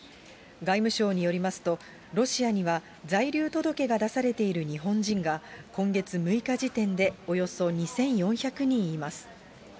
外務省によりますと、ロシアには在留届が出されている日本人が、今月６日時点でおよそ２４００人います。